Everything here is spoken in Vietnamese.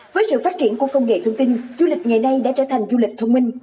với sự phát triển của công nghệ thông tin du lịch ngày nay đã trở thành du lịch thông minh